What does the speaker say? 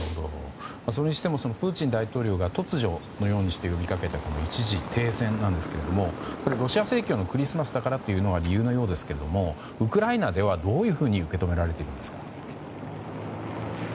それにしてもプーチン大統領が突如のようにして呼びかけたこの一時停戦なんですがこれ、ロシア正教のクリスマスだからというのが理由のようですがウクライナではどういうふうに受け止められているんですか？